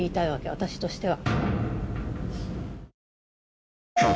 私としては。